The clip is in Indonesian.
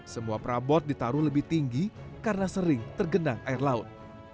semua perabot ditaruh lebih tinggi karena sering tergenang air laut